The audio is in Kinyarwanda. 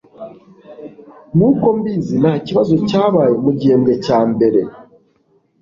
Nkuko mbizi ntakibazo cyabaye mugihembwe cya mbere